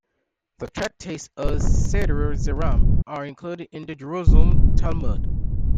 The Tractates of Seder Zeraim are included in the Jerusalem Talmud.